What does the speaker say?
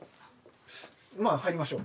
まあ入りましょう。